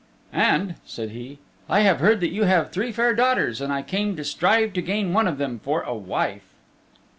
"And," said he, "I have heard that you have three fair daughters, and I came to strive to gain one of them for a wife."